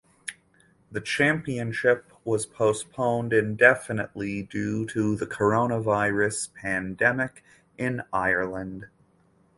The championship was postponed indefinitely due to the coronavirus pandemic in Ireland.